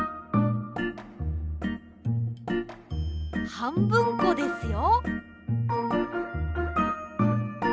はんぶんこですよ。